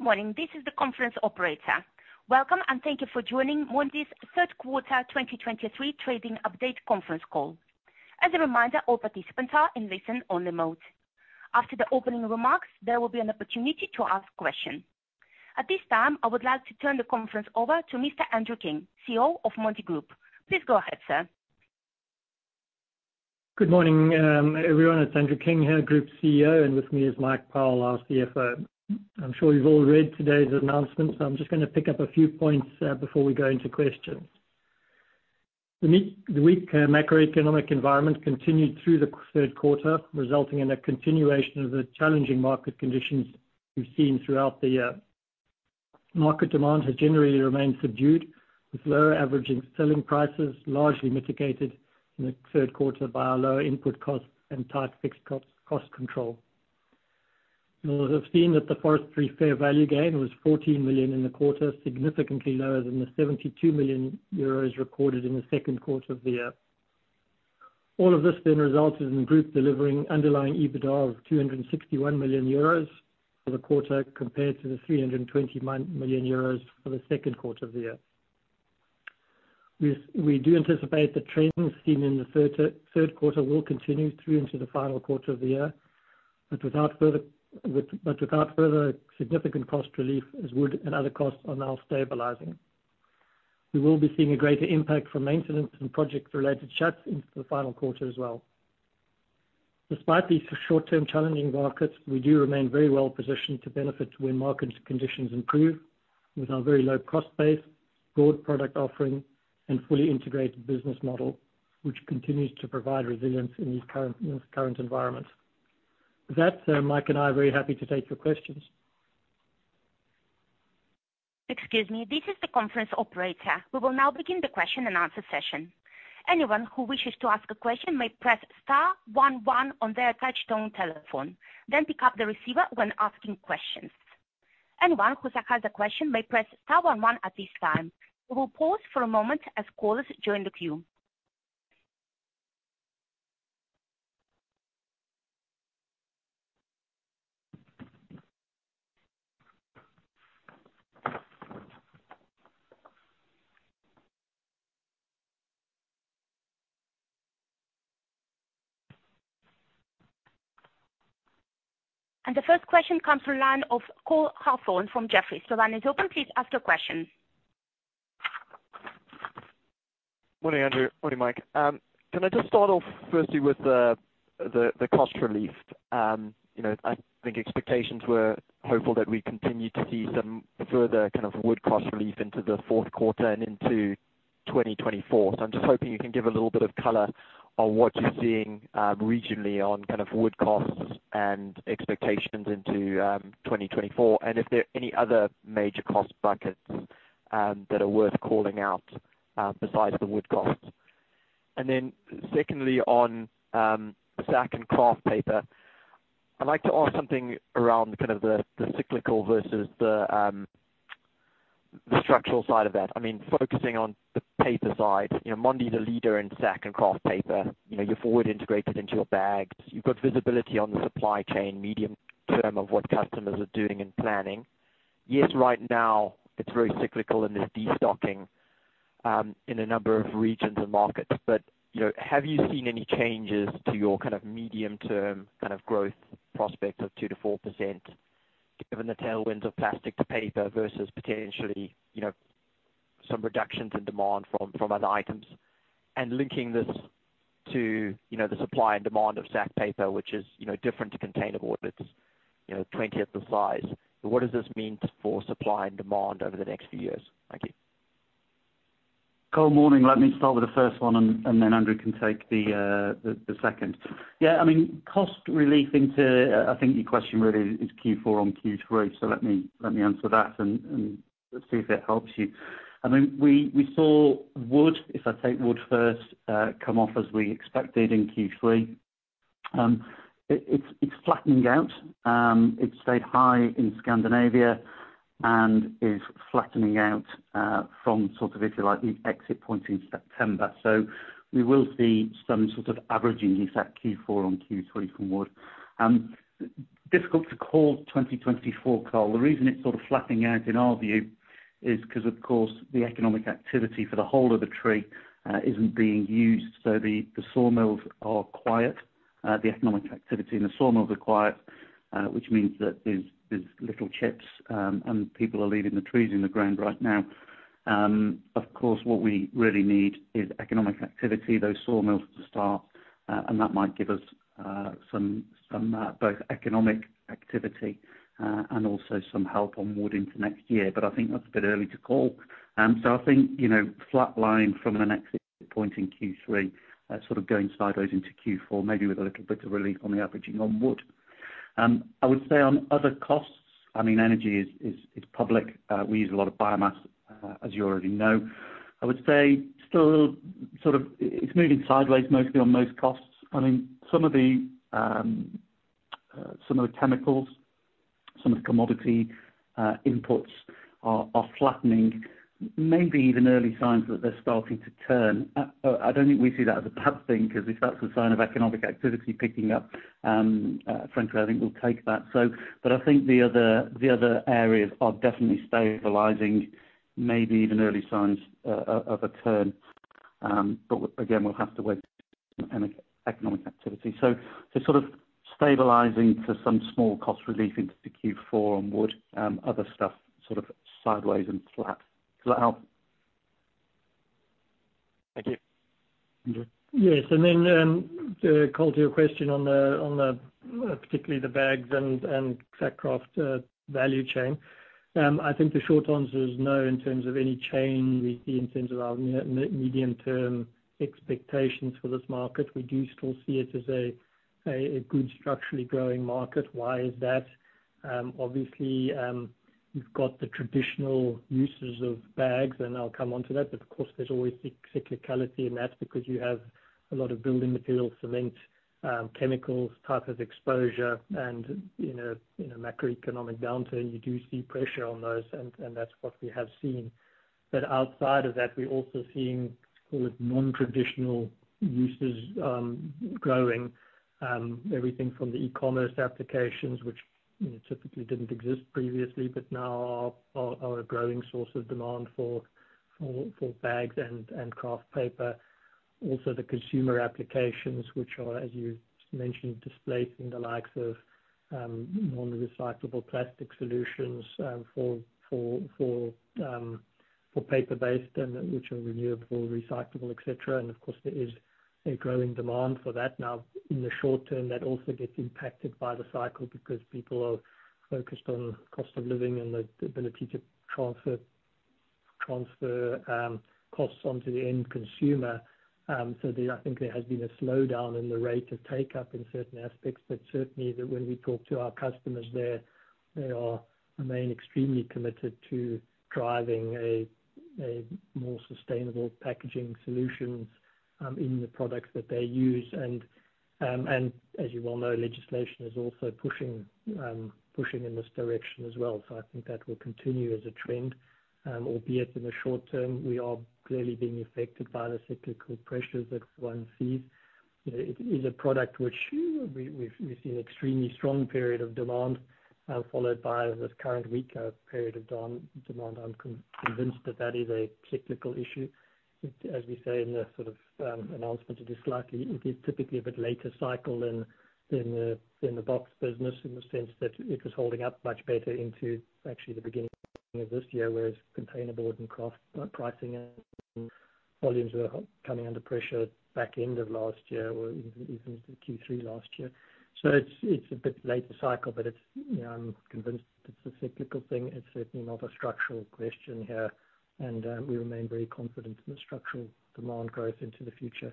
Morning, this is the conference operator. Welcome, and thank you for joining Mondi's Third Quarter 2023 Trading Update Conference Call. As a reminder, all participants are in listen only mode. After the opening remarks, there will be an opportunity to ask questions. At this time, I would like to turn the conference over to Mr. Andrew King, CEO of Mondi Group. Please go ahead, sir. Good morning, everyone. It's Andrew King here, Group CEO, and with me is Mike Powell, our CFO. I'm sure you've all read today's announcement, so I'm just gonna pick up a few points before we go into questions. The weak macroeconomic environment continued through the third quarter, resulting in a continuation of the challenging market conditions we've seen throughout the year. Market demand has generally remained subdued, with lower average selling prices, largely mitigated in the third quarter by our lower input costs and tight fixed cost control. You'll have seen that the forestry fair value gain was 14 million in the quarter, significantly lower than the 72 million euros recorded in the second quarter of the year. All of this then resulted in the group delivering underlying EBITDA of 261 million euros for the quarter, compared to 320 million euros for the second quarter of the year. We do anticipate the trends seen in the third quarter will continue through into the final quarter of the year, but without further significant cost relief, as wood and other costs are now stabilizing. We will be seeing a greater impact from maintenance and project-related shuts into the final quarter as well. Despite these short-term challenging markets, we do remain very well positioned to benefit when market conditions improve with our very low cost base, broad product offering, and fully integrated business model, which continues to provide resilience in these current, in this current environment. With that, Mike and I are very happy to take your questions. Excuse me, this is the conference operator. We will now begin the question and answer session. Anyone who wishes to ask a question may press star one one on their touchtone telephone, then pick up the receiver when asking questions. Anyone who has a question may press star one one at this time. We will pause for a moment as callers join the queue. The first question comes from the line of Cole Hathorn from Jefferies. The line is open, please ask your question. Morning, Andrew. Morning, Mike. Can I just start off firstly with the cost relief? You know, I think expectations were hopeful that we continued to see some further kind of wood cost relief into the fourth quarter and into 2024. So I'm just hoping you can give a little bit of color on what you're seeing regionally on kind of wood costs and expectations into 2024, and if there are any other major cost buckets that are worth calling out besides the wood costs. And then secondly, on sack and kraft paper, I'd like to ask something around kind of the cyclical versus the structural side of that. I mean, focusing on the paper side, you know, Mondi, the leader in sack and kraft paper. You know, you're forward integrated into your bags. You've got visibility on the supply chain, medium term of what customers are doing and planning. Yes, right now, it's very cyclical and there's destocking in a number of regions and markets. But, you know, have you seen any changes to your kind of medium term, kind of growth prospect of 2%-4%, given the tailwinds of plastic to paper versus potentially, you know, some reductions in demand from other items? And linking this to, you know, the supply and demand of sack paper, which is, you know, different to containerboard, it's, you know, twentieth the size. So what does this mean for supply and demand over the next few years? Thank you. Cole, morning. Let me start with the first one and then Andrew can take the second. Yeah, I mean, cost relief into, I think your question really is Q4 on Q3, so let me answer that and let's see if it helps you. I mean, we saw wood, if I take wood first, come off as we expected in Q3. It's flattening out. It stayed high in Scandinavia and is flattening out from sort of if you like, the exit point in September. So we will see some sort of averaging effect Q4 on Q3 from wood. Difficult to call 2024, Cole. The reason it's sort of flattening out, in our view, is 'cause, of course, the economic activity for the whole of the tree isn't being used, so the sawmills are quiet. The economic activity in the sawmills are quiet, which means that there's little chips, and people are leaving the trees in the ground right now. Of course, what we really need is economic activity, those sawmills to start, and that might give us some both economic activity and also some help on wood into next year. But I think that's a bit early to call. So I think, you know, flatlining from an exit point in Q3, sort of going sideways into Q4, maybe with a little bit of relief on the averaging on wood. I would say on other costs, I mean, energy is public. We use a lot of biomass, as you already know. I would say still sort of it's moving sideways, mostly on most costs. I mean, some of the chemicals, some of the commodity inputs are flattening, maybe even early signs that they're starting to turn. I don't think we see that as a bad thing, 'cause if that's a sign of economic activity picking up, frankly, I think we'll take that. So, but I think the other areas are definitely stabilizing, maybe even early signs of a turn. But again, we'll have to wait and economic activity. So sort of stabilizing to some small cost relief into Q4 on wood, other stuff, sort of sideways and flat. Does that help? Thank you. Yes, and then, to call to your question on the particularly the bags and sack kraft value chain. I think the short answer is no, in terms of any change we see in terms of our medium term expectations for this market. We do still see it as a good structurally growing market. Why is that? Obviously, you've got the traditional uses of bags, and I'll come onto that, but of course, there's always cyclicality in that, because you have a lot of building materials, cement, chemicals type of exposure, and, you know, in a macroeconomic downturn, you do see pressure on those, and that's what we have seen. But outside of that, we're also seeing sort of non-traditional uses growing. Everything from the e-commerce applications, which, you know, typically didn't exist previously, but now are a growing source of demand for bags and kraft paper. Also, the consumer applications, which are, as you mentioned, displacing the likes of non-recyclable plastic solutions for paper-based, and which are renewable, recyclable, et cetera. Of course, there is a growing demand for that now. In the short term, that also gets impacted by the cycle, because people are focused on cost of living and the ability to transfer costs on to the end consumer. So there, I think there has been a slowdown in the rate of take-up in certain aspects, but certainly, when we talk to our customers, they remain extremely committed to driving a more sustainable packaging solutions in the products that they use. And as you well know, legislation is also pushing in this direction as well. So I think that will continue as a trend, albeit in the short term, we are clearly being affected by the cyclical pressures that one sees. You know, it is a product which we've seen extremely strong period of demand, followed by this current weaker period of demand. I'm convinced that that is a cyclical issue. As we say, in the sort of announcement, it is slightly; it is typically a bit later cycle than the box business, in the sense that it was holding up much better into actually the beginning of this year, whereas containerboard and kraft pricing and volumes were coming under pressure back end of last year or even, even Q3 last year. So it's a bit later cycle, but it's, you know, I'm convinced it's a cyclical thing. It's certainly not a structural question here. And we remain very confident in the structural demand growth into the future.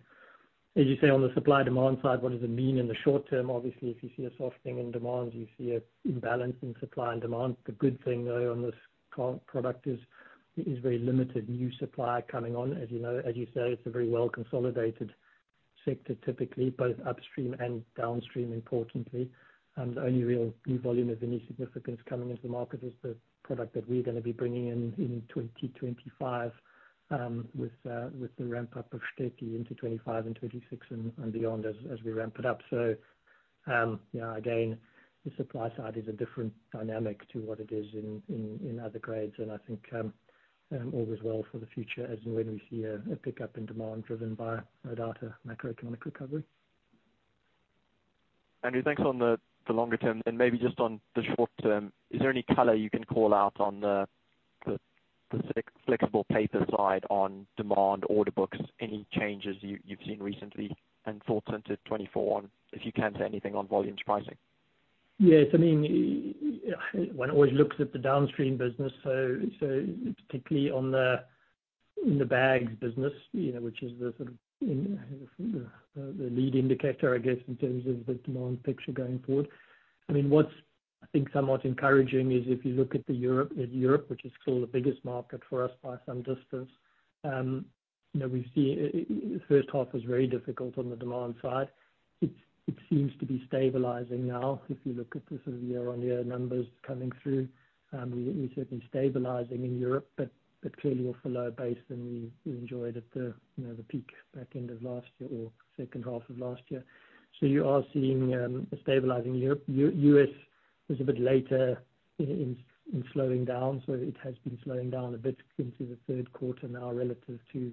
As you say, on the supply-demand side, what does it mean in the short term? Obviously, if you see a softening in demand, you see an imbalance in supply and demand. The good thing, though, on this current product is very limited new supply coming on. As you know, as you say, it's a very well-consolidated sector, typically, both upstream and downstream, importantly. And the only real new volume of any significance coming into the market is the product that we're gonna be bringing in in 2025, with the ramp up of Štětí into 2025 and 2026 and beyond, as we ramp it up. So, you know, again, the supply side is a different dynamic to what it is in other grades. And I think, all is well for the future as and when we see a pickup in demand driven by no doubt, a macroeconomic recovery. Andrew, thanks on the longer term, and maybe just on the short term, is there any color you can call out on the flexible paper side on demand order books? Any changes you've seen recently and thoughts into 2024, on, if you can say anything on volumes pricing? Yes, I mean, one always looks at the downstream business, so particularly in the bags business, you know, which is the sort of lead indicator, I guess, in terms of the demand picture going forward. I mean, what I think is somewhat encouraging is if you look at Europe, in Europe, which is still the biggest market for us by some distance, you know, we've seen the first half was very difficult on the demand side. It seems to be stabilizing now. If you look at the sort of year-on-year numbers coming through, we've certainly stabilizing in Europe, but clearly off a low base than we enjoyed at the peak back end of last year or second half of last year. So you are seeing stabilizing Europe. US was a bit later in slowing down, so it has been slowing down a bit into the third quarter now, relative to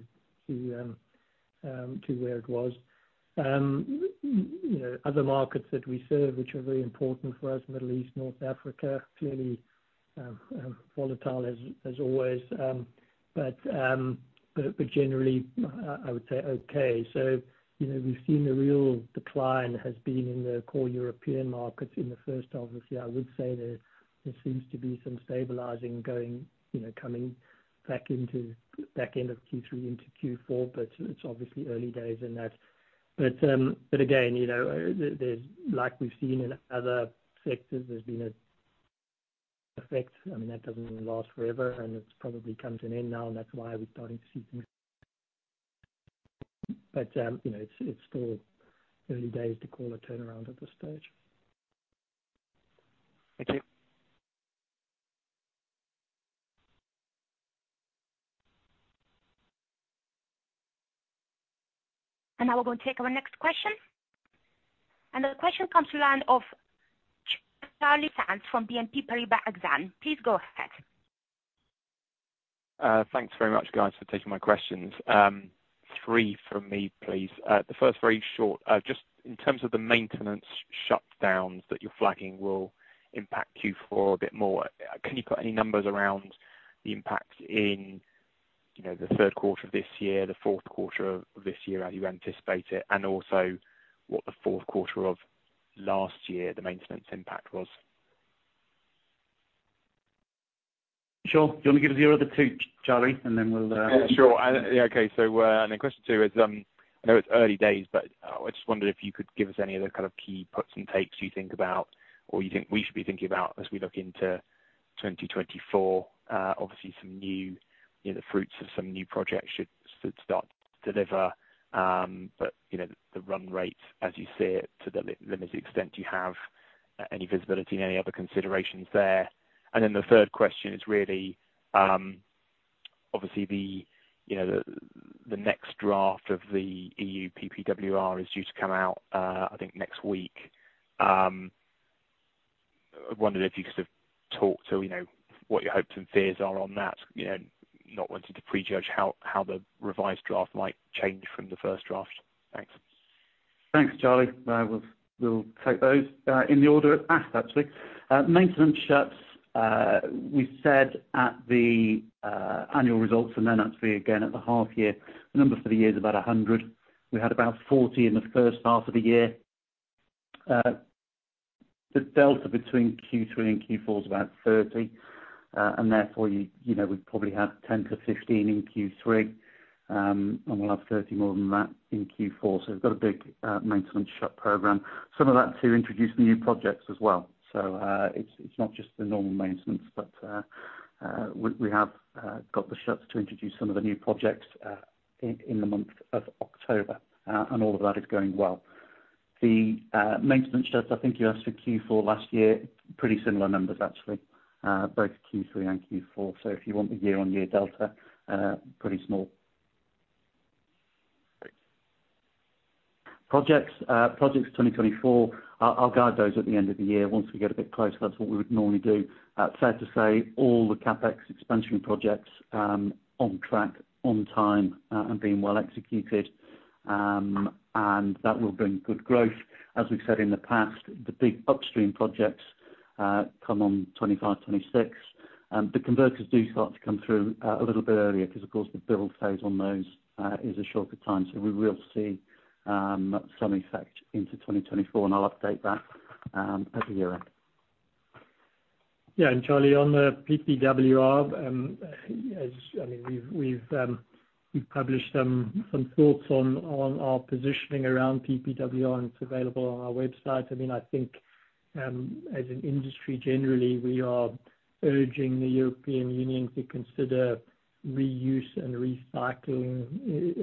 where it was. You know, other markets that we serve, which are very important for us, Middle East, North Africa, clearly volatile as always, but generally, I would say, okay. So, you know, we've seen the real decline has been in the core European markets in the first half of the year. I would say that there seems to be some stabilizing going, you know, coming back into back end of Q3 into Q4, but it's obviously early days in that. But again, you know, there, there's, like we've seen in other sectors, there's been an effect. I mean, that doesn't last forever, and it's probably come to an end now, and that's why we're starting to see some-... But, you know, it's still early days to call a turnaround at this stage. Thank you. Now we're going to take our next question. The question comes to the line of Charlie Sands from BNP Paribas Exane. Please go ahead. Thanks very much, guys, for taking my questions. Three from me, please. The first, very short, just in terms of the maintenance shutdowns that you're flagging will impact Q4 a bit more, can you put any numbers around the impact in, you know, the third quarter of this year, the fourth quarter of this year, how you anticipate it, and also what the fourth quarter of last year, the maintenance impact was? Sure. Do you wanna give us your other two, Charlie, and then we'll, Sure. Yeah, okay. So, and then question two is, I know it's early days, but, I just wondered if you could give us any of the kind of key puts and takes you think about, or you think we should be thinking about as we look into 2024? Obviously some new, you know, the fruits of some new projects should start to deliver. But, you know, the run rate as you see it, to the limited extent, do you have any visibility and any other considerations there? And then the third question is really, obviously the, you know, the, the next draft of the EU PPWR is due to come out, I think next week. I wondered if you could sort of talk to, you know, what your hopes and fears are on that? You know, not wanting to pre-judge how the revised draft might change from the first draft. Thanks. Thanks, Charlie. We'll take those in the order asked, actually. Maintenance shuts, we said at the annual results, and then actually again at the half year, the number for the year is about 100. We had about 40 in the first half of the year. The delta between Q3 and Q4 is about 30. And therefore, you know, we'd probably have 10-15 in Q3. And we'll have 30 more than that in Q4. So we've got a big maintenance shut program. Some of that to introduce new projects as well. So, it's not just the normal maintenance, but we have got the shuts to introduce some of the new projects in the month of October, and all of that is going well. The maintenance shuts, I think you asked for Q4 last year, pretty similar numbers, actually. Both Q3 and Q4. So if you want the year-on-year delta, pretty small. Projects, projects 2024, I'll, I'll guide those at the end of the year once we get a bit closer. That's what we would normally do. Fair to say, all the CapEx expansion projects, on track, on time, are being well executed, and that will bring good growth. As we've said in the past, the big upstream projects, come on 25, 26, the converters do start to come through, a little bit earlier, because, of course, the build phase on those, is a shorter time. So we will see, some effect into 2024, and I'll update that, at the year end. Yeah, and Charlie, on the PPWR, I mean, we've published some thoughts on our positioning around PPWR, and it's available on our website. I mean, I think, as an industry, generally, we are urging the European Union to consider reuse and recycling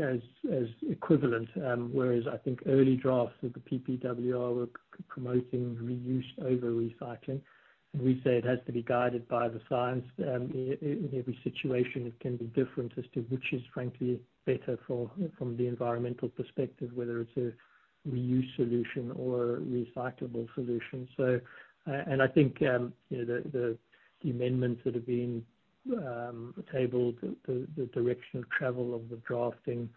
as equivalent. Whereas I think early drafts of the PPWR were promoting reuse over recycling. And we say it has to be guided by the science, in every situation, it can be different as to which is frankly better for, from the environmental perspective, whether it's a reuse solution or a recyclable solution. So, and I think, you know, the amendments that have been tabled, the direction of travel of the drafting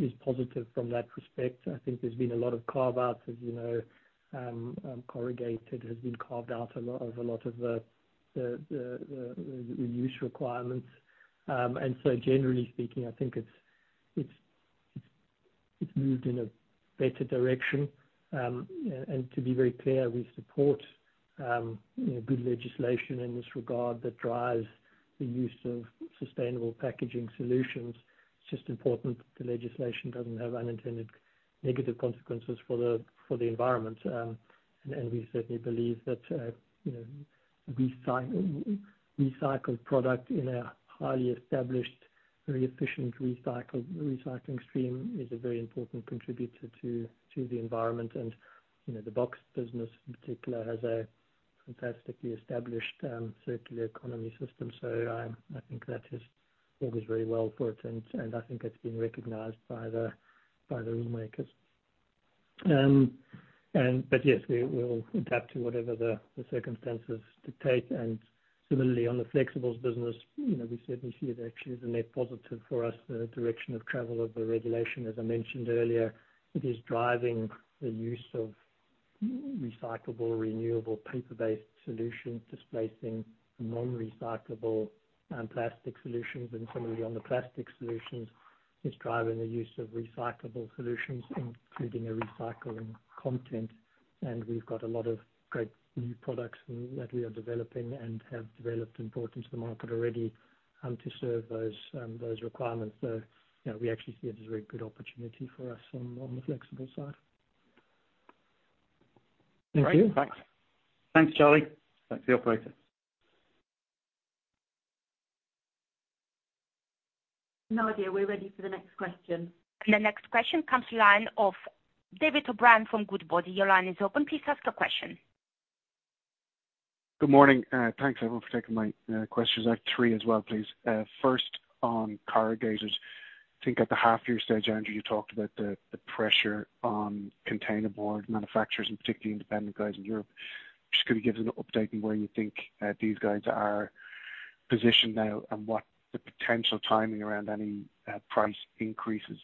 is positive from that respect. I think there's been a lot of carve-outs, as you know. Corrugated has been carved out a lot of a lot of the reuse requirements. And so generally speaking, I think it's moved in a better direction. And to be very clear, we support, you know, good legislation in this regard that drives the use of sustainable packaging solutions. It's just important the legislation doesn't have unintended negative consequences for the environment. And we certainly believe that, you know, recycled product in a highly established, very efficient recycling stream is a very important contributor to the environment. And, you know, the box business in particular has a fantastically established circular economy system. So, I think that has worked very well for it, and I think that's been recognized by the rule makers. But yes, we will adapt to whatever the circumstances dictate. And similarly, on the flexibles business, you know, we certainly see it actually as a net positive for us, the direction of travel of the regulation. As I mentioned earlier, it is driving the use of recyclable, renewable, paper-based solutions, displacing non-recyclable plastic solutions. And similarly on the plastic solutions, it's driving the use of recyclable solutions, including a recycling content. And we've got a lot of great new products that we are developing and have developed and brought into the market already, to serve those requirements. So, you know, we actually see it as a very good opportunity for us on the flexible side. Thank you. Great! Thanks. Thanks, Charlie. Back to the operator.... Nadia, we're ready for the next question. The next question comes from the line of David O'Brien from Goodbody. Your line is open. Please ask your question. Good morning. Thanks everyone for taking my questions. I have three as well, please. First on corrugators. I think at the half year stage, Andrew, you talked about the pressure on container board manufacturers, and particularly independent guys in Europe. Just could you give us an update on where you think these guys are positioned now, and what the potential timing around any price increases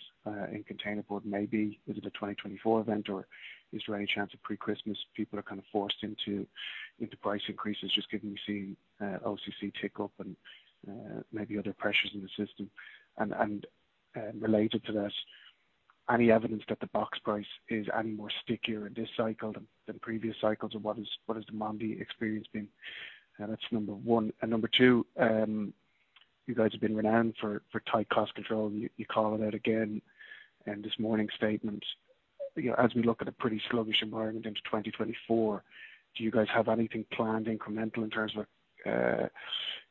in container board may be? Is it a 2024 event, or is there any chance of pre-Christmas, people are kind of forced into price increases, just given we've seen OCC tick up and maybe other pressures in the system. And related to that, any evidence that the box price is any more stickier in this cycle than previous cycles? And what is the Mondi experience been? That's number one. And number two, you guys have been renowned for tight cost control, and you call it out again in this morning's statement. You know, as we look at a pretty sluggish environment into 2024, do you guys have anything planned incremental in terms of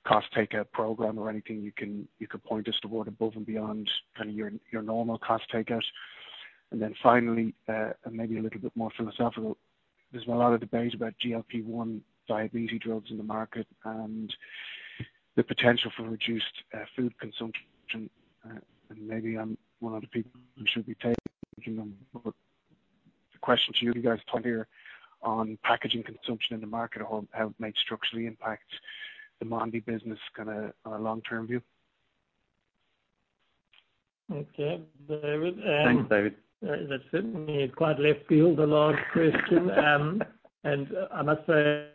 cost takeout program or anything you could point us toward above and beyond, kind of your normal cost takeout? And then finally, and maybe a little bit more philosophical, there's been a lot of debate about GLP-1 diabetes drugs in the market, and the potential for reduced food consumption. And maybe I'm one of the people who should be taking them, but the question to you guys clearly on packaging consumption in the market, how it might structurally impact the Mondi business, kinda on a long-term view. Okay, David, Thanks, David. That's certainly quite left field, the last question. I must say,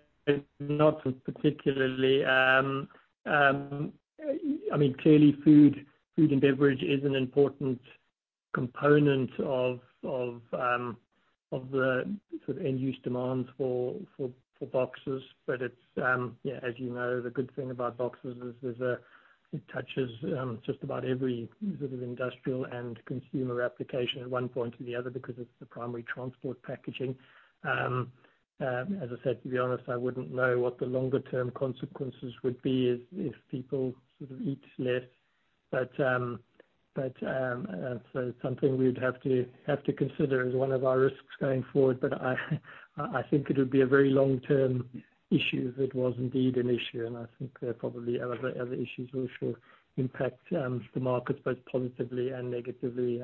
not particularly. I mean, clearly food and beverage is an important component of the sort of end use demands for boxes. But it's, yeah, as you know, the good thing about boxes is it touches just about every sort of industrial and consumer application at one point or the other, because it's the primary transport packaging. As I said, to be honest, I wouldn't know what the longer term consequences would be if people sort of eat less. But so it's something we'd have to consider as one of our risks going forward. But I think it would be a very long-term issue, if it was indeed an issue. I think there are probably other issues which will impact the markets both positively and negatively,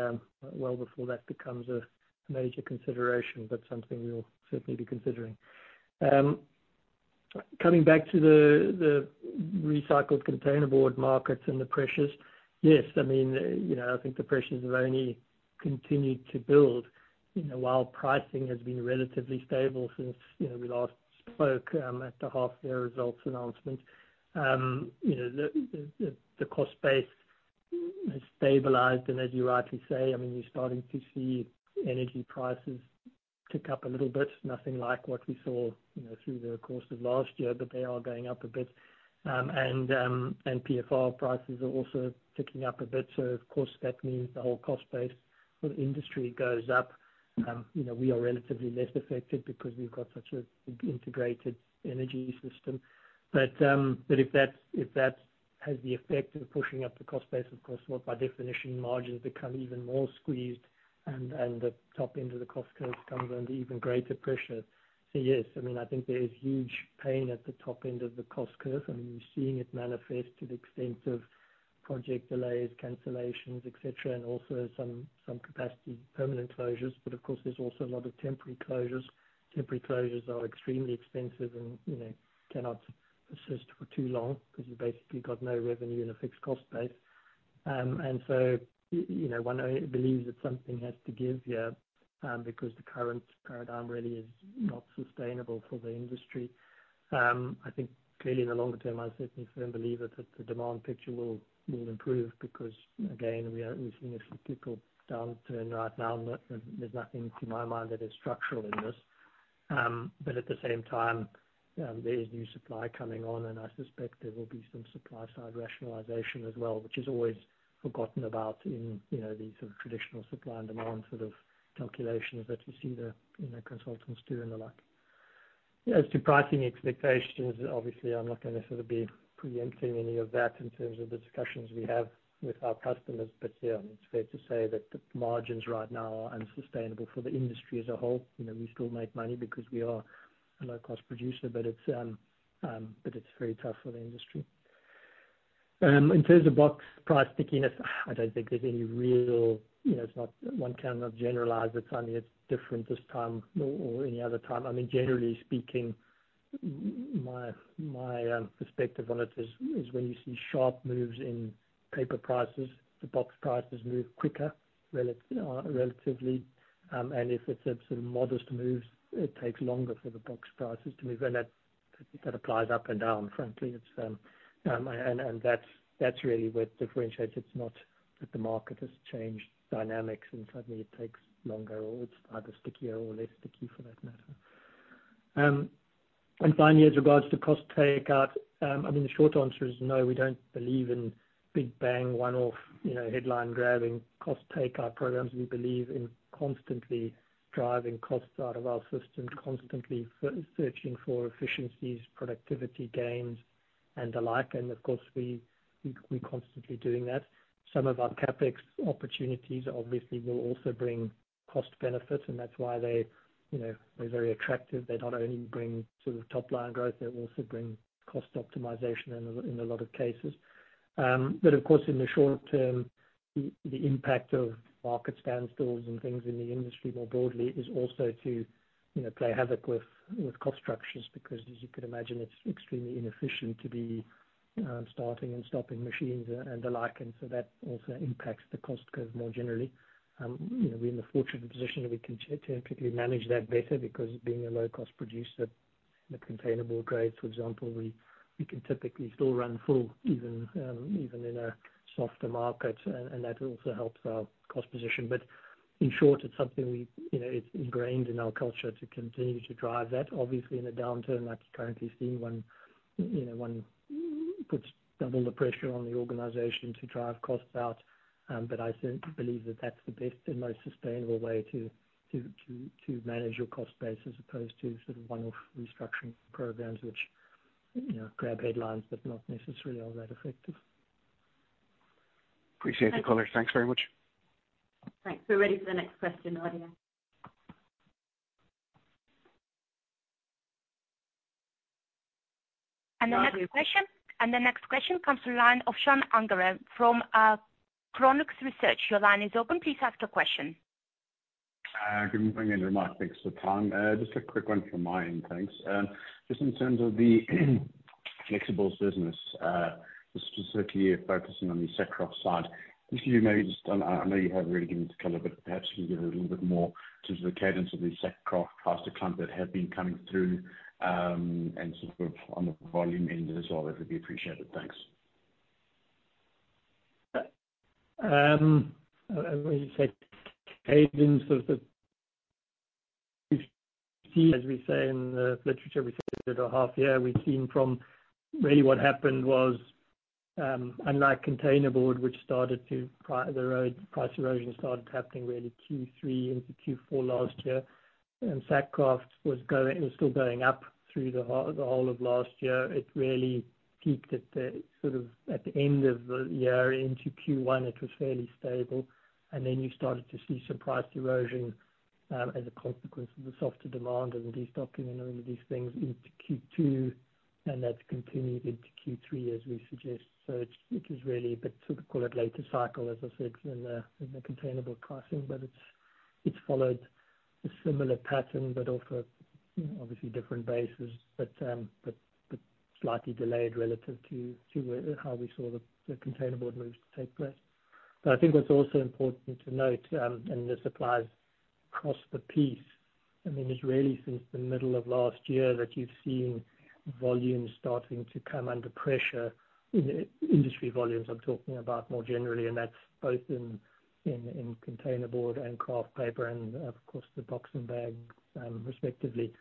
well before that becomes a major consideration, but something we'll certainly be considering. Coming back to the recycled containerboard markets and the pressures, yes, I mean, you know, I think the pressures have only continued to build, you know, while pricing has been relatively stable since, you know, we last spoke at the half-year results announcement. You know, the cost base has stabilized, and as you rightly say, I mean, you're starting to see energy prices tick up a little bit. Nothing like what we saw, you know, through the course of last year, but they are going up a bit. PfR prices are also ticking up a bit, so of course, that means the whole cost base for the industry goes up. You know, we are relatively less affected because we've got such an integrated energy system. But if that has the effect of pushing up the cost base, of course, well, by definition, margins become even more squeezed, and the top end of the cost curve comes under even greater pressure. So yes, I mean, I think there is huge pain at the top end of the cost curve, and you're seeing it manifest to the extent of project delays, cancellations, et cetera, and also some capacity permanent closures. But of course, there's also a lot of temporary closures. Temporary closures are extremely expensive and, you know, cannot persist for too long, because you've basically got no revenue and a fixed cost base. And so you know, one only believes that something has to give you, because the current paradigm really is not sustainable for the industry. I think clearly in the longer term, I certainly firm believer that the demand picture will improve, because again, we've seen a cyclical downturn right now, and there's nothing to my mind that is structural in this. But at the same time, there is new supply coming on, and I suspect there will be some supply side rationalization as well, which is always forgotten about in, you know, these sort of traditional supply and demand sort of calculations that you see the, you know, consultants do and the like. As to pricing expectations, obviously I'm not gonna sort of be preempting any of that in terms of the discussions we have with our customers, but, yeah, it's fair to say that the margins right now are unsustainable for the industry as a whole. You know, we still make money because we are a low-cost producer, but it's very tough for the industry. In terms of box price stickiness, I don't think there's any real, you know, one cannot generalize that suddenly it's different this time or any other time. I mean, generally speaking, my perspective on it is when you see sharp moves in paper prices, the box prices move quicker relatively. And if it's a sort of modest moves, it takes longer for the box prices to move. That applies up and down, frankly. It's. That's really what differentiates. It's not that the market has changed dynamics, and suddenly it takes longer, or it's either stickier or less sticky for that matter. Finally, as regards to cost takeout, I mean, the short answer is no, we don't believe in big bang, one-off, you know, headline-grabbing cost takeout programs. We believe in constantly driving costs out of our system, constantly searching for efficiencies, productivity gains, and the like. And of course, we're constantly doing that. Some of our CapEx opportunities obviously will also bring cost benefits, and that's why they, you know, they're very attractive. They not only bring sort of top line growth, they also bring cost optimization in a lot of cases. But of course, in the short term, the impact of market standstills and things in the industry more broadly is also to, you know, play havoc with cost structures. Because as you can imagine, it's extremely inefficient to be starting and stopping machines and the like, and so that also impacts the cost curve more generally. You know, we're in the fortunate position that we can typically manage that better, because being a low-cost producer, the containerboard grades, for example, we can typically still run full, even, even in a softer market, and that also helps our cost position. But in short, it's something we, you know, it's ingrained in our culture to continue to drive that. Obviously, in a downturn like currently seeing, one, you know, one puts double the pressure on the organization to drive costs out. But I still believe that that's the best and most sustainable way to manage your cost base as opposed to sort of one-off restructuring programs, which, you know, grab headlines, but not necessarily are that effective. Appreciate the color. Thanks. Thanks very much. Thanks. We're ready for the next question, Nadia. The next question- Yeah. The next question comes from the line of Sean Ungerer from Chronux Research. Your line is open. Please ask your question. Good morning, everyone. Thanks for the time. Just a quick one from my end, thanks. Just in terms of the flexibles business, specifically focusing on the sack kraft side, if you may just... I know you have already given it color, but perhaps can you give it a little bit more just the cadence of the sack kraft cluster clump that have been coming through, and sort of on the volume end as well, that would be appreciated. Thanks. When you say cadence of the. As we say in the literature, we said it a half year, we've seen from really what happened was, unlike containerboard, which started to price erode, price erosion started happening really Q3 into Q4 last year. Sack kraft was going, it was still going up through the whole of last year. It really peaked sort of at the end of the year into Q1, it was fairly stable. Then you started to see some price erosion as a consequence of the softer demand and the destocking and all of these things into Q2, and that's continued into Q3, as we suggest. So it is really, but sort of call it later cycle, as I said, than the containerboard pricing. But it's followed a similar pattern, but off a obviously different bases, but slightly delayed relative to where, how we saw the containerboard moves take place. But I think what's also important to note, and the supplies across the piece, I mean, it's really since the middle of last year that you've seen volumes starting to come under pressure. Industry volumes, I'm talking about more generally, and that's both in containerboard and kraft paper and, of course, the box and bags, respectively.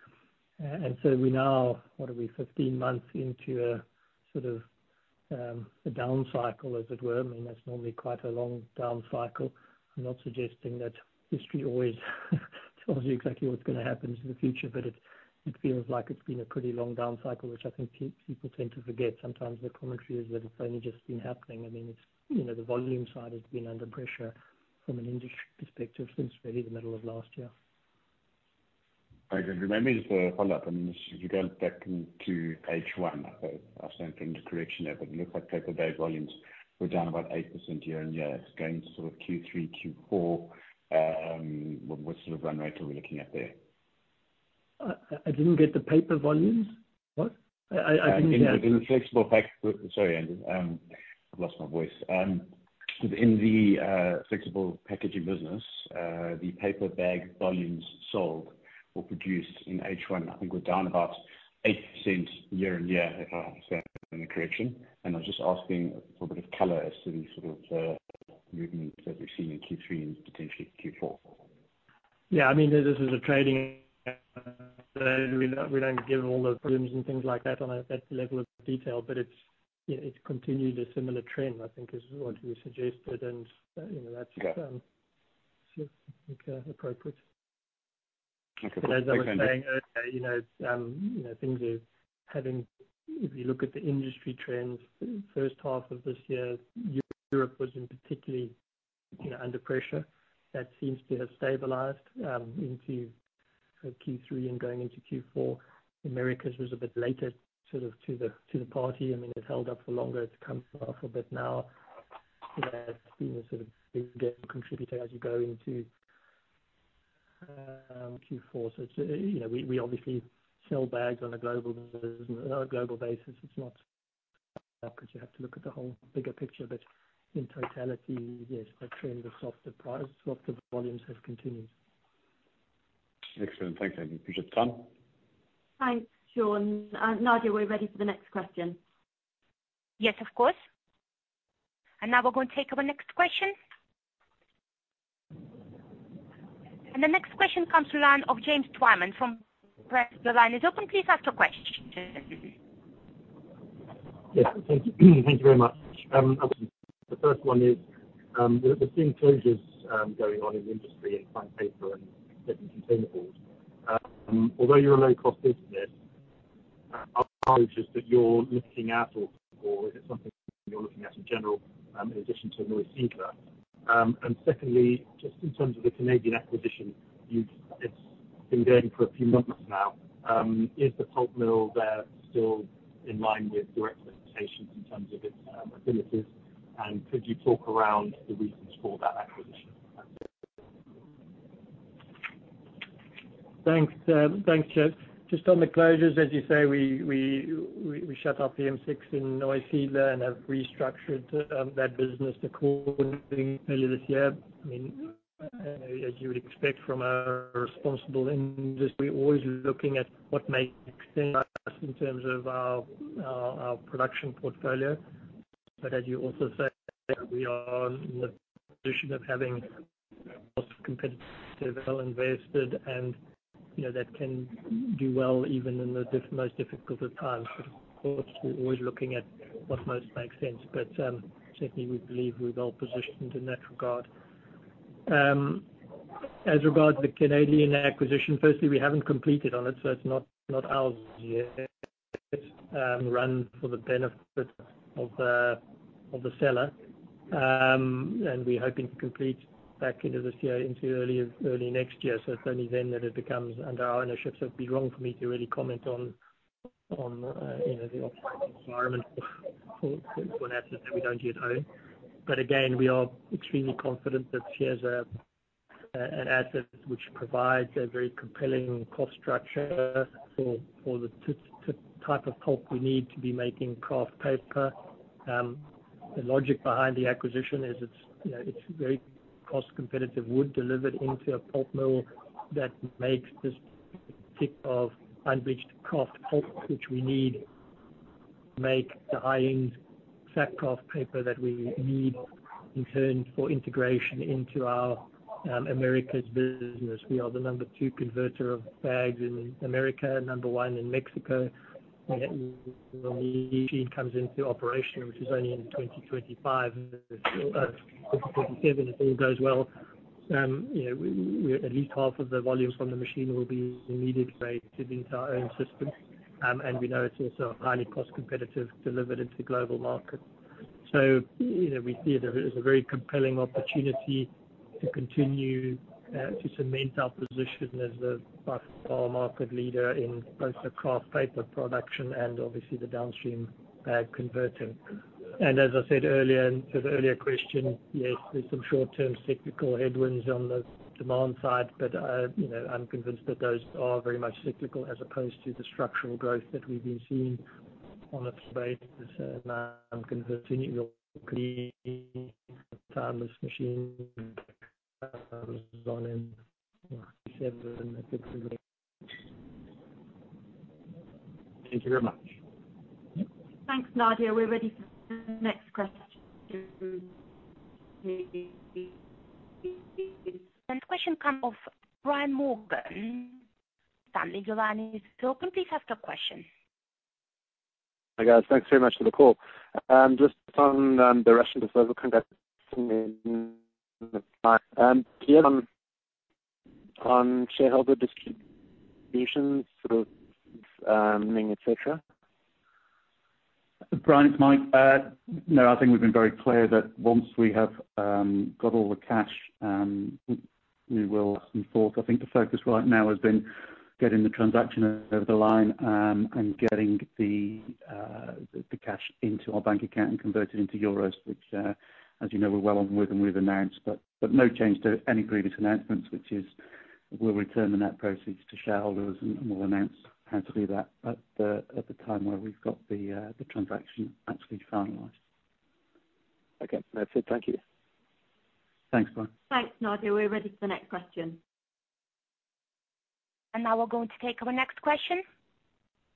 And so we now, what are we? 15 months into a sort of a down cycle, as it were. I mean, that's normally quite a long down cycle. I'm not suggesting that history always tells you exactly what's gonna happen in the future, but it feels like it's been a pretty long down cycle, which I think people tend to forget. Sometimes the commentary is that it's only just been happening. I mean, it's, you know, the volume side has been under pressure from an industry perspective, since really the middle of last year. Right. And maybe just a follow-up. I mean, if you go back to page one, I think I stand corrected there, but it looks like paper bag volumes were down about 8% year-on-year. It's going sort of Q3, Q4. What sort of run rate are we looking at there? I didn't get the paper volumes. What? I didn't get- In the flexible—Sorry, I, I've lost my voice. Within the flexible packaging business, the paper bag volumes sold or produced in H1, I think were down about 8% year-on-year, if I understand in the correction. And I was just asking for a bit of color as to the sort of movements that we've seen in Q3 and potentially Q4. Yeah, I mean, this is a trading... we don't, we don't give all the volumes and things like that on a, that level of detail. But it's, yeah, it's continued a similar trend, I think is what we suggested. And, you know, that's- Okay. Seems appropriate. Okay. But as I was saying earlier, you know, it's, you know, things are having... If you look at the industry trends, first half of this year, Europe was in particular, you know, under pressure. That seems to have stabilized into Q3 and going into Q4. Americas was a bit later, sort of to the party. I mean, it held up for longer. It's come off a bit now. That's been a sort of big game contributor as you go into Q4. So it's, you know, we, we obviously sell bags on a global basis. It's not... you have to look at the whole bigger picture, but in totality, yes, a trend of softer price, softer volumes have continued. Excellent. Thanks, Andy. Appreciate the time. Thanks, Sean. Nadia, we're ready for the next question. Yes, of course. Now we're going to take our next question. The next question comes from the line of James Twyman from Prescient. The line is open, please ask your question. Yes, thank you. Thank you very much. The first one is, we're seeing closures going on in the industry in fine paper and certain containers. Although you're a low-cost business, are closures that you're looking at or is it something you're looking at in general, in addition to Neusiedler? And secondly, just in terms of the Canadian acquisition, it's been going for a few months now, is the pulp mill there still in line with your expectations in terms of its abilities? And could you talk around the reasons for that acquisition? Thanks, thanks, James. Just on the closures, as you say, we shut our PM6 in Neusiedler and have restructured that business accordingly earlier this year. I mean, as you would expect from a responsible industry, we're always looking at what makes sense to us in terms of our production portfolio. But as you also say, we are in the position of having cost competitive, well invested, and, you know, that can do well even in the most difficult of times. But of course, we're always looking at what most makes sense. But certainly we believe we're well positioned in that regard. As regard the Canadian acquisition, firstly, we haven't completed on it, so it's not ours yet. Run for the benefit of the seller. And we're hoping to complete back into this year, into early next year. So it's only then that it becomes under our ownership, so it'd be wrong for me to really comment on, you know, the operating environment for an asset that we don't yet own. But again, we are extremely confident that it is an asset which provides a very compelling cost structure for the type of pulp we need to be making kraft paper. The logic behind the acquisition is it's, you know, it's very cost competitive wood delivered into a pulp mill that makes this type of unbleached kraft pulp, which we need to make the high-end sack kraft paper that we need in turn for integration into our Americas business. We are the number two converter of bags in America, number one in Mexico. When the machine comes into operation, which is only in 2025-2027, if all goes well, you know, at least half of the volumes from the machine will be immediately into our own system. And we know it's also highly cost competitive, delivered into global markets. So, you know, we see it as a very compelling opportunity to continue to cement our position as the cost market leader in both the kraft paper production and obviously the downstream bag converting. And as I said earlier, in the earlier question, yes, there's some short-term cyclical headwinds on the demand side, but, you know, I'm convinced that those are very much cyclical, as opposed to the structural growth that we've been seeing on a basis. And I'm confirming your timeline's machine on in 2027, if it's- Thank you very much. Thanks, Nadia. We're ready for the next question. The question from Brian Morgan, Morgan Stanley, is open. Please ask your question. Hi, guys. Thanks very much for the call. Just on the Russian business conduct, on shareholder distributions, et cetera. Brian, it's Mike. No, I think we've been very clear that once we have got all the cash, we will move forward. I think the focus right now has been getting the transaction over the line, and getting the cash into our bank account and converted into euros, which, as you know, we're well on with and we've announced. But, no change to any previous announcements, which is, we'll return the net proceeds to shareholders, and we'll announce how to do that at the time where we've got the transaction actually finalized. Okay. That's it. Thank you. Thanks, Brian. Thanks, Nadia. We're ready for the next question. Now we're going to take our next question.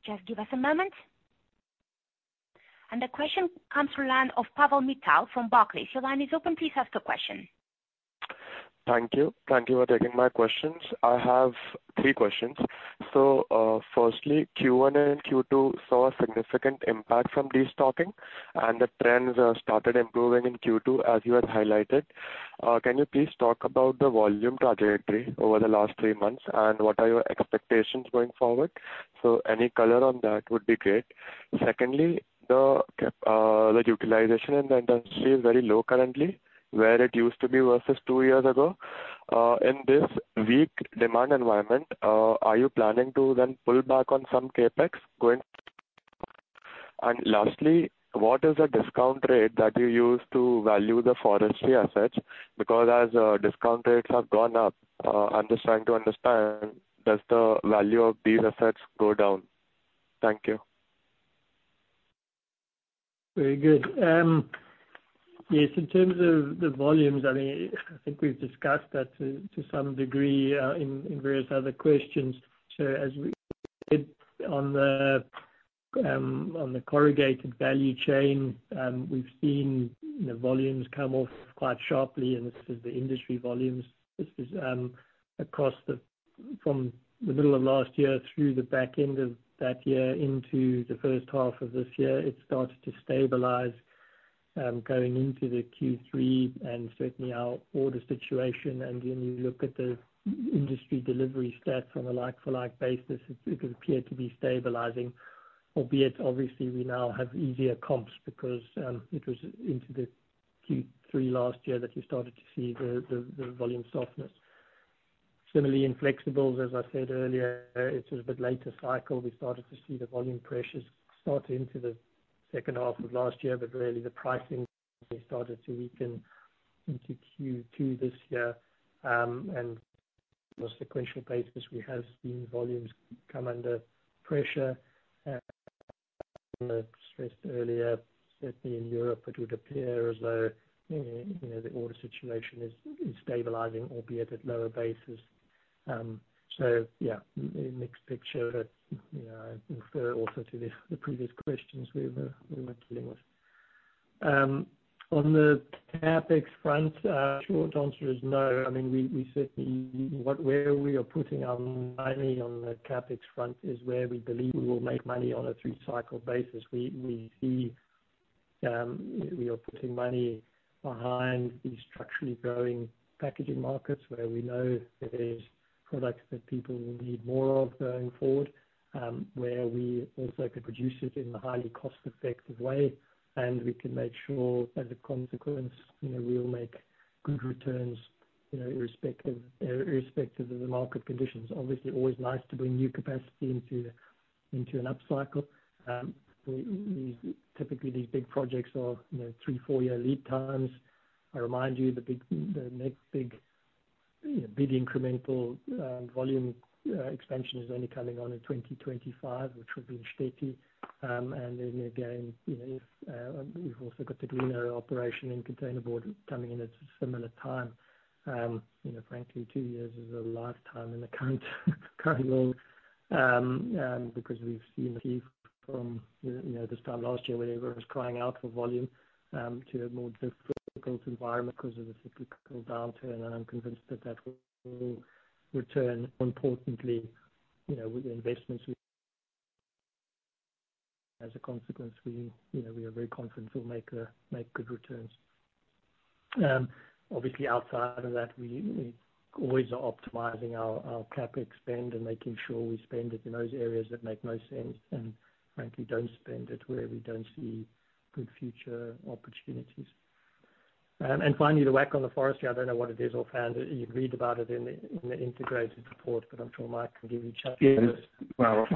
Just give us a moment. The question comes from the line of Pallav Mittal from Barclays. Your line is open. Please ask your question. Thank you. Thank you for taking my questions. I have three questions. So, firstly, Q1 and Q2 saw a significant impact from destocking, and the trends started improving in Q2, as you have highlighted. Can you please talk about the volume trajectory over the last three months, and what are your expectations going forward? So any color on that would be great. Secondly, the capacity utilization in the industry is very low currently, where it used to be versus two years ago. In this weak demand environment, are you planning to then pull back on some CapEx going... And lastly, what is the discount rate that you use to value the forestry assets? Because as discount rates have gone up, I'm just trying to understand, does the value of these assets go down? Thank you. Very good. Yes, in terms of the volumes, I mean, I think we've discussed that to some degree in various other questions. So as we said on the corrugated value chain, we've seen the volumes come off quite sharply, and this is the industry volumes. This is from the middle of last year through the back end of that year into the first half of this year; it started to stabilize going into the Q3 and certainly our order situation. And when you look at the industry delivery stats on a like-for-like basis, it would appear to be stabilizing, albeit obviously we now have easier comps because it was into the Q3 last year that you started to see the volume softness. Similarly, in flexibles, as I said earlier, it's a bit later cycle. We started to see the volume pressures start into the second half of last year, but really the pricing started to weaken into Q2 this year. And on a sequential basis, we have seen volumes come under pressure. As I stressed earlier, certainly in Europe, it would appear as though, you know, the order situation is stabilizing, albeit at lower bases. So yeah, a mixed picture that, you know, I refer also to the previous questions we were dealing with. On the CapEx front, short answer is no. I mean, we certainly... What, where we are putting our money on the CapEx front is where we believe we will make money on a through-cycle basis. We see we are putting money behind these structurally growing packaging markets, where we know there is products that people will need more of going forward, where we also can produce it in a highly cost-effective way, and we can make sure as a consequence, you know, we will make good returns, you know, irrespective of the market conditions. Obviously, always nice to bring new capacity into an upcycle. We typically, these big projects are, you know, 3-4-year lead times. I remind you, the next big incremental volume expansion is only coming on in 2025, which would be in Štětí. And then again, you know, we've also got the Duino operation in containerboard coming in at a similar time. You know, frankly, two years is a lifetime in the current, current world. Because we've seen a shift from, you know, this time last year, where everyone was crying out for volume, to a more difficult environment because of the cyclical downturn, and I'm convinced that that will return. More importantly, you know, with the investments... As a consequence, we, you know, we are very confident we'll make good returns. Obviously, outside of that, we always are optimizing our CapEx spend and making sure we spend it in those areas that make most sense, and frankly, don't spend it where we don't see good future opportunities. And finally, the WACC on the forestry. I don't know what it is or found it. You'd read about it in the integrated report, but I'm sure Mike can give you details. Yes. Well,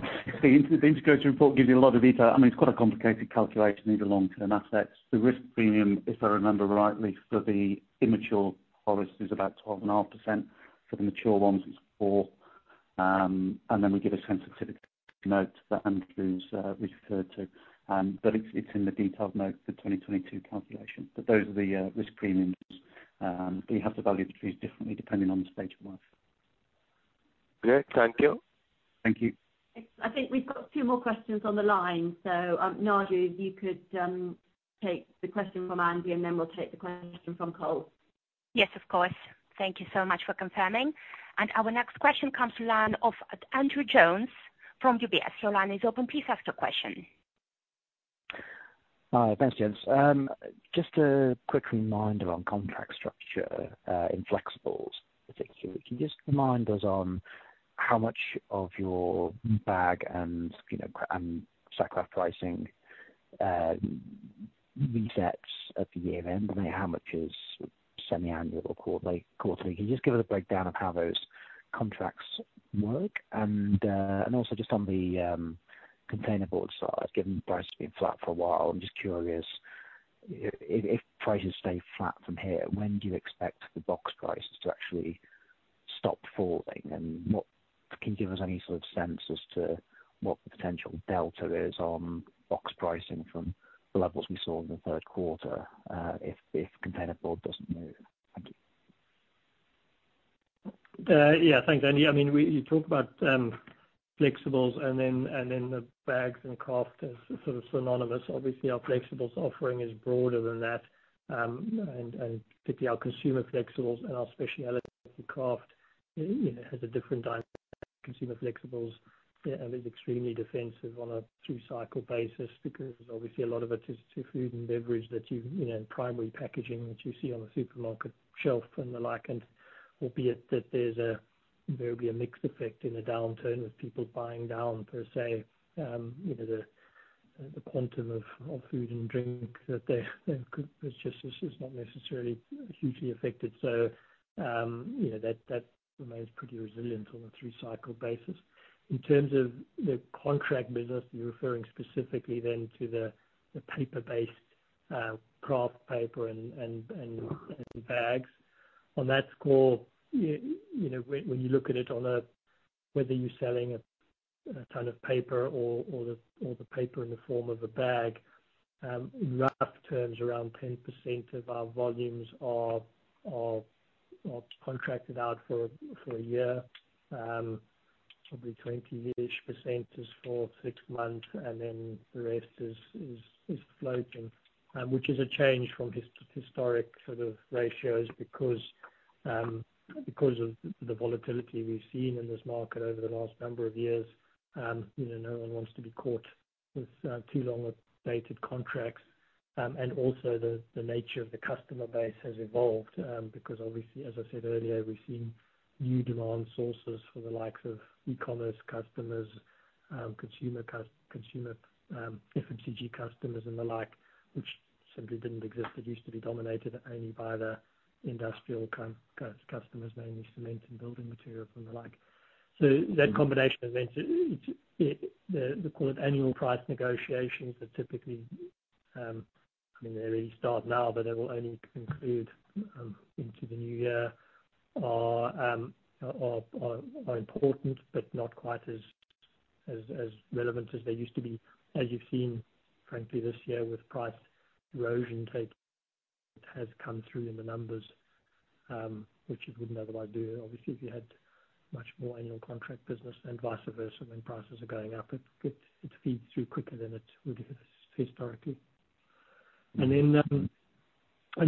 the integrated report gives you a lot of detail. I mean, it's quite a complicated calculation, these are long-term assets. The risk premium, if I remember rightly, for the immature forest, is about 12.5%. For the mature ones, it's 4%. And then we give a sensitivity note that Andrew's referred to. But it's in the detailed note for 2022 calculation. But those are the risk premiums. We have to value the trees differently depending on the stage of life. Great. Thank you. Thank you. I think we've got a few more questions on the line. So, Nadia, if you could, take the question from Andy, and then we'll take the question from Cole. Yes, of course. Thank you so much for confirming. And our next question comes to line of Andrew Jones from UBS. Your line is open. Please ask your question. Hi, thanks, gents. Just a quick reminder on contract structure, in flexibles particularly. Can you just remind us on how much of your bag and, you know, and sack kraft pricing, resets at the year end? And how much is semi-annual or quarterly, quarterly? Can you just give us a breakdown of how those contracts work? And, and also just on the, containerboard side, given prices have been flat for a while, I'm just curious, if, if prices stay flat from here, when do you expect the box prices to actually stop falling? And what... Can you give us any sort of sense as to what the potential delta is on box pricing from the levels we saw in the third quarter, if, if containerboard doesn't move? Thank you. Yeah, thanks, Andy. I mean, we, you talk about, flexibles, and then, and then the bags and kraft as sort of synonymous. Obviously, our flexibles offering is broader than that. And, and particularly our consumer flexibles and our specialty kraft, you know, has a different dynamic. Consumer flexibles, is extremely defensive on a through-cycle basis because obviously a lot of it is to food and beverage that you, you know, primary packaging that you see on the supermarket shelf and the like, and albeit that there's there will be a mixed effect in a downturn with people buying down per se, you know, the, the quantum of, of food and drink that they, it's just, it's, it's not necessarily hugely affected. So, you know, that, that remains pretty resilient on a through-cycle basis. In terms of the contract business, you're referring specifically then to the paper-based kraft paper and bags. On that score, you know, when you look at it on a whether you're selling a ton of paper or the paper in the form of a bag, rough terms, around 10% of our volumes are well, contracted out for a year. Probably 20-ish% is for six months, and then the rest is floating. Which is a change from historic sort of ratios, because of the volatility we've seen in this market over the last number of years, you know, no one wants to be caught with too long of dated contracts. And also the nature of the customer base has evolved, because obviously, as I said earlier, we've seen new demand sources for the likes of e-commerce customers, consumer FMCG customers, and the like, which simply didn't exist. It used to be dominated only by the industrial customers, mainly cement and building material and the like. So that combination event, call it annual price negotiations are typically, I mean, they really start now, but they will only conclude into the new year, are important, but not quite as relevant as they used to be. As you've seen, frankly, this year with price erosion taking... It has come through in the numbers, which it wouldn't otherwise do, obviously, if you had much more annual contract business and vice versa. When prices are going up, it feeds through quicker than it would have historically. And then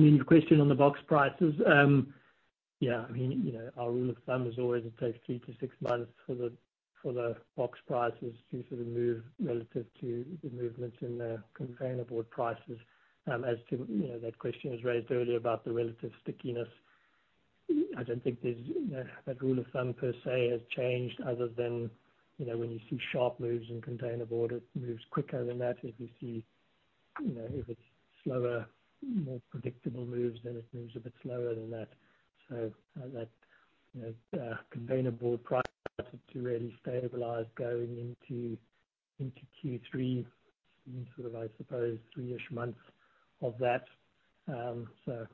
your question on the box prices. Yeah, I mean, you know, our rule of thumb is always it takes three to six months for the box prices to sort of move relative to the movements in the containerboard prices. As to, you know, that question was raised earlier about the relative stickiness. I don't think there's, you know, that rule of thumb per se, has changed other than, you know, when you see sharp moves in containerboard, it moves quicker than that. If you see, you know, if it's slower, more predictable moves, then it moves a bit slower than that. So, that, you know, containerboard price started to really stabilize going into Q3, in sort of, I suppose, three-ish months of that. So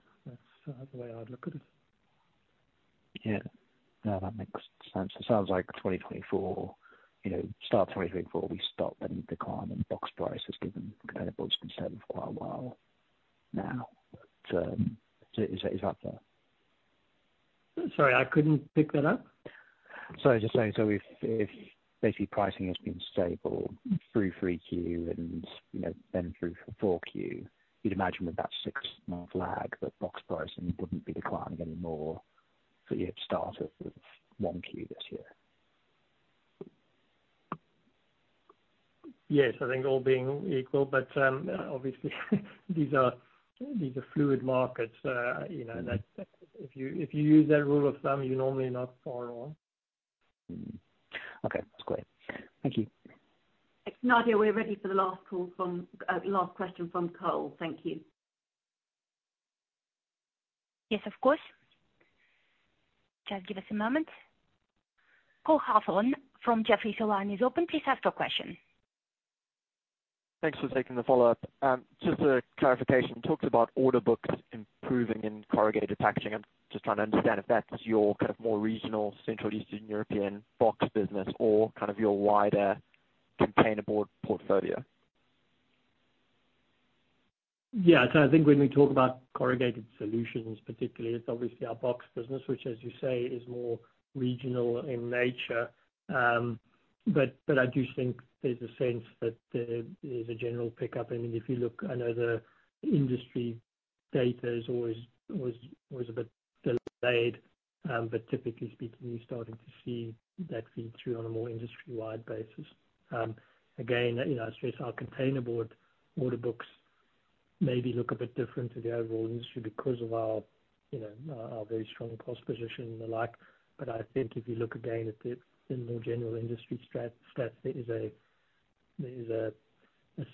that's the way I'd look at it. Yeah. No, that makes sense. It sounds like 2024, you know, start of 2024, we stop any decline in box prices, given containerboard's been stable for quite a while now. But, is that fair? Sorry, I couldn't pick that up. Sorry, just saying, so if basically pricing has been stable through Q3 and, you know, then through Q4, you'd imagine with that six-month lag, that box pricing wouldn't be declining anymore, for your start of one Q this year. Yes, I think all being equal, but, obviously, these are, these are fluid markets. You know, that if you, if you use that rule of thumb, you're normally not far off. Okay, that's great. Thank you. Thanks, Nadia, we're ready for the last question from Cole. Thank you. Yes, of course. Just give us a moment. Cole Hathorn from Jefferies, your line is open. Please ask your question. Thanks for taking the follow-up. Just a clarification. You talked about order books improving in corrugated packaging. I'm just trying to understand if that's your kind of more regional, Central Eastern European box business, or kind of your wider containerboard portfolio? Yeah, so I think when we talk about corrugated solutions, particularly, it's obviously our box business, which, as you say, is more regional in nature. But I do think there's a sense that there is a general pickup. I mean, if you look, I know the industry data is always a bit delayed, but typically speaking, you're starting to see that feed through on a more industry-wide basis. Again, you know, I stress our containerboard order books maybe look a bit different to the overall industry because of our, you know, our very strong cost position and the like. But I think if you look again at the more general industry stats, there is a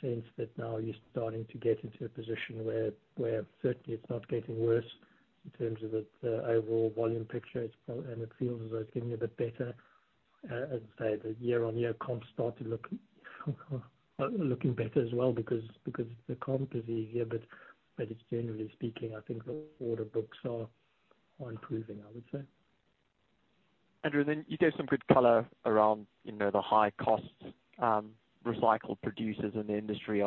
sense that now you're starting to get into a position where certainly it's not getting worse in terms of the overall volume picture, and it feels as though it's getting a bit better. As I say, the year-on-year comps start to look better as well, because the comp is easier. But it's generally speaking, I think the order books are improving, I would say. Andrew, then you gave some good color around, you know, the high costs. Recycled producers in the industry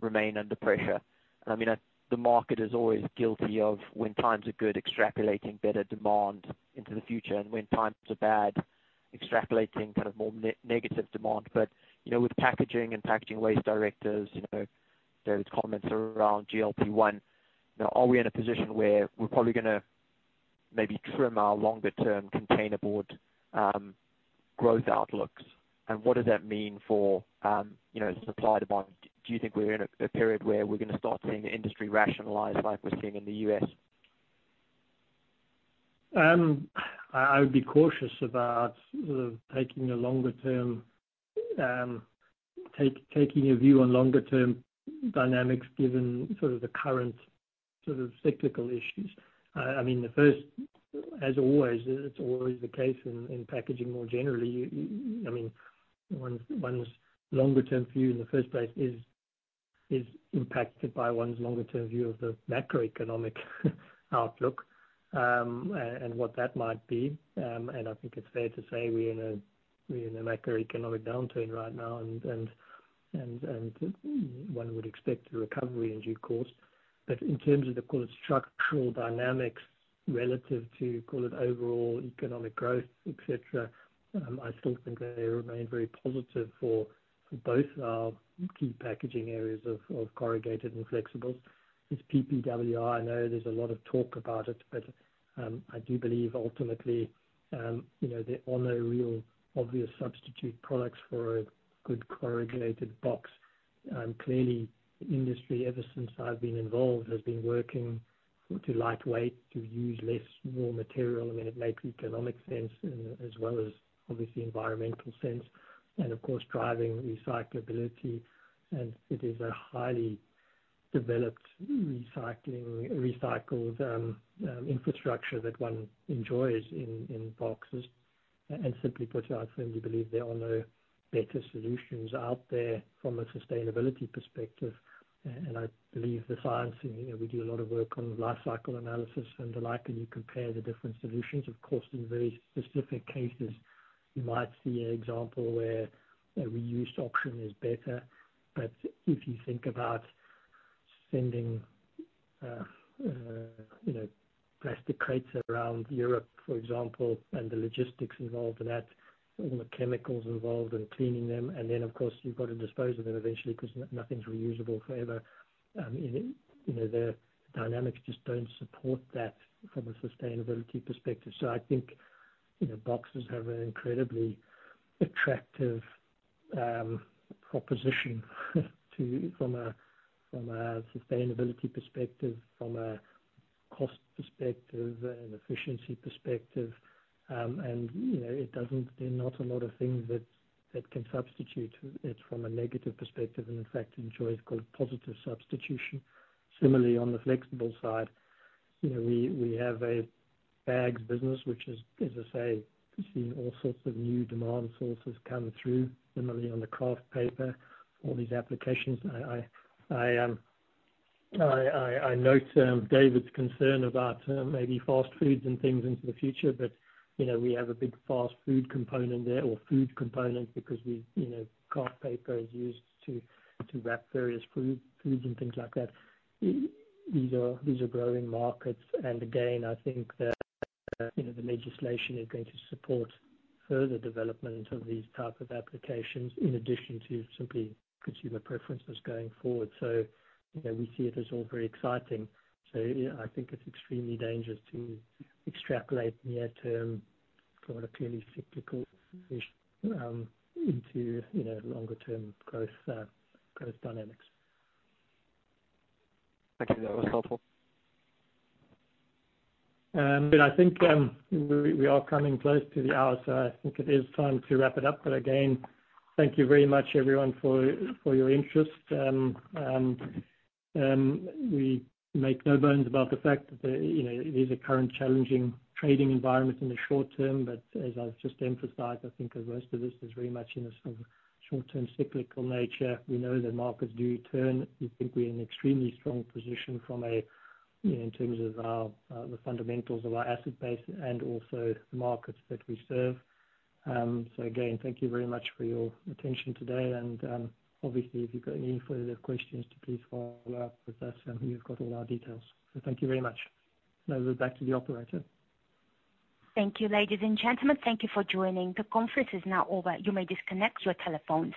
remain under pressure. And I mean, the market is always guilty of when times are good, extrapolating better demand into the future, and when times are bad, extrapolating kind of more negative demand. But, you know, with Packaging and Packaging Waste Directives, you know, those comments around GLP-1, now, are we in a position where we're probably gonna maybe trim our longer term containerboard growth outlooks? And what does that mean for, you know, supply and demand? Do you think we're in a period where we're gonna start seeing the industry rationalize like we're seeing in the U.S.? I would be cautious about sort of taking a view on longer-term dynamics, given sort of the current sort of cyclical issues. I mean, as always, it's always the case in packaging more generally, I mean, one's longer-term view in the first place is impacted by one's longer-term view of the macroeconomic outlook, and what that might be. I think it's fair to say we're in a macroeconomic downturn right now, and one would expect a recovery in due course. But in terms of the, call it, structural dynamics relative to, call it, overall economic growth, et cetera, I still think they remain very positive for both our key packaging areas of corrugated and flexibles. This PPWR, I know there's a lot of talk about it, but, I do believe ultimately, you know, there are no real obvious substitute products for a good corrugated box. Clearly, the industry, ever since I've been involved, has been working to lightweight, to use less raw material when it makes economic sense, and as well as obviously environmental sense, and of course, driving recyclability. And it is a highly developed recycling, recycled, infrastructure that one enjoys in boxes. And simply put, I firmly believe there are no better solutions out there from a sustainability perspective. And I believe the science, and, you know, we do a lot of work on life cycle analysis, and the like, when you compare the different solutions. Of course, in very specific cases, you might see an example where a reused option is better. But if you think about sending, you know, plastic crates around Europe, for example, and the logistics involved in that, all the chemicals involved in cleaning them, and then, of course, you've got to dispose of them eventually, 'cause nothing's reusable forever. You know, the dynamics just don't support that from a sustainability perspective. So I think, you know, boxes have an incredibly attractive proposition from a sustainability perspective, from a cost perspective and efficiency perspective. And, you know, it doesn't, there are not a lot of things that, that can substitute it from a negative perspective, and in fact, you know, it's called positive substitution. Similarly, on the flexible side, you know, we, we have a bags business, which is, as I say, we've seen all sorts of new demand sources come through. Similarly, on the kraft paper, all these applications, I note David's concern about maybe fast foods and things into the future, but, you know, we have a big fast food component there, or food component, because we, you know, kraft paper is used to wrap various foods and things like that. These are growing markets. And again, I think that, you know, the legislation is going to support further development of these type of applications, in addition to simply consumer preferences going forward. So, you know, we see it as all very exciting. So yeah, I think it's extremely dangerous to extrapolate near term from a clearly cyclical shift into, you know, longer term growth dynamics. Thank you. That was helpful. But I think we are coming close to the hour, so I think it is time to wrap it up. But again, thank you very much everyone for your interest. We make no bones about the fact that, you know, it is a current challenging trading environment in the short term, but as I've just emphasized, I think the rest of this is very much in a sort of short-term cyclical nature. We know that markets do turn. We think we're in an extremely strong position from a, in terms of our, the fundamentals of our asset base and also the markets that we serve. So again, thank you very much for your attention today, and obviously, if you've got any further questions to please follow up with us, and you've got all our details. So thank you very much. Now back to the operator. Thank you, ladies and gentlemen. Thank you for joining. The conference is now over. You may disconnect your telephones.